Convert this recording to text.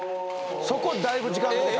「そこだいぶ時間かけた。